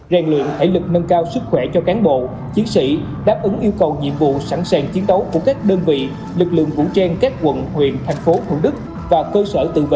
rèn luyện thể lực nâng cao sức khỏe cho cán bộ chiến sĩ đáp ứng yêu cầu nhiệm vụ sẵn sàng chiến đấu